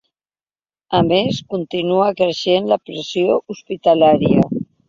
A més, continua creixent la pressió hospitalària.